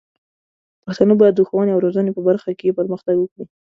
پښتانه بايد د ښوونې او روزنې په برخه کې پرمختګ وکړي.